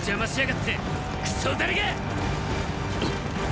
っ⁉